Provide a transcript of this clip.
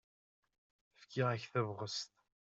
Fkiɣ-ak tabɣest.